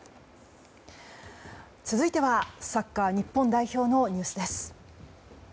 続いてはサッカー日本代表のニュースです。